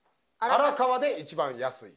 「荒川で一番安い」